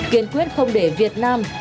kiên quyết không để việt nam